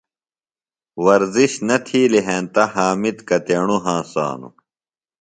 ورزش نہ تِھیلیۡ ہینتہ حامد کتیݨوۡ ہنسانوۡ؟